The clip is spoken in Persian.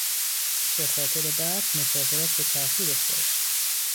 به خاطر برف مسافرت به تاخیر افتاد.